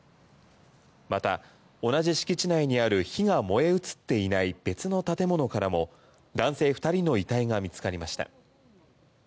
また、同じ敷地内にある火が燃え移っていない別の建物からも男性２人の遺体が見つかりました。